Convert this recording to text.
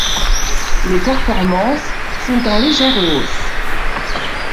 Les performances sont en légère hausse.